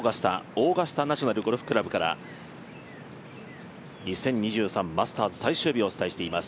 オーガスタ・ナショナル・ゴルフクラブから２０２３マスターズ最終日をお伝えしています。